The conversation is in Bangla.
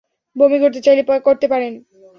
বমি করতে চাইলে করতে পারেন!